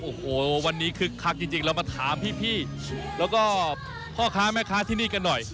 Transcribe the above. โอ้โหวันนี้คึกคักจริงเรามาถามพี่แล้วก็พ่อค้าแม่ค้าที่นี่กันหน่อย